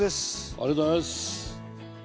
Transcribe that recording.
ありがとうございます。